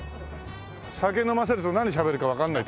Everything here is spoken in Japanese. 酒飲ませると何しゃべるかわかんないって。